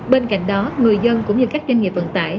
bên cạnh đó người dân cũng như các doanh nghiệp vận tải